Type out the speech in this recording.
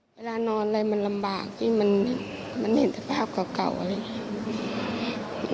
เวลานอนอะไรมันลำบากมันเห็นภาพเก่าเลย